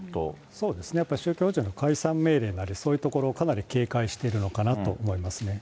そうですね、宗教法人の改正命令なり、そういうところを警戒してるのかなと思いますね。